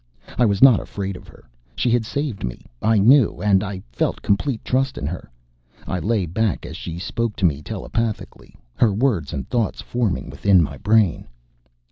I was not afraid of her. She had saved me, I knew, and I felt complete trust in her. I lay back as she spoke to me telepathically, her words and thoughts forming within my brain....